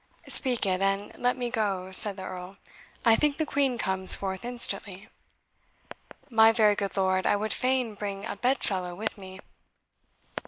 "Speak it, and let me go," said the Earl; "I think the Queen comes forth instantly." "My very good lord, I would fain bring a bed fellow with me."